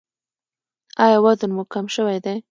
ایا وزن مو کم شوی دی؟